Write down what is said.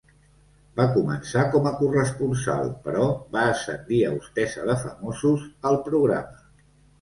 Va començar com a corresponsal, però va ascendir a hostessa de famosos al programa.